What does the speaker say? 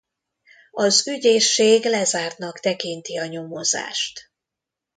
Az ügyészség lezártnak tekinti a nyomozást.